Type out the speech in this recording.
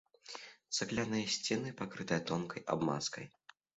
Цагляныя сцены пакрытыя тонкай абмазкай.